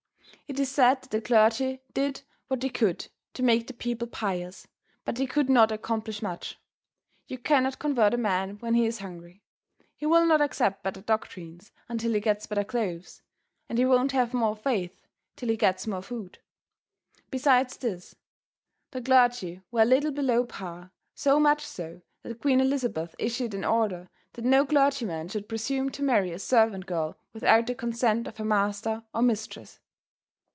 It is said that the clergy did what they could to make the people pious, but they could not accomplish much. You cannot convert a man when he is hungry. He will not accept better doctrines until he gets better clothes, and he won't have more faith till he gets more food. Besides this, the clergy were a little below par, so much so that Queen Elizabeth issued an order that no clergyman should presume to marry a servant girl without the consent of her master or mistress.